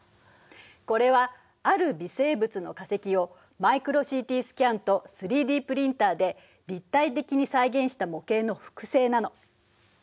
これはある微生物の化石をマイクロＣＴスキャンと３Ｄプリンターで立体的に再現した模型の複製なの。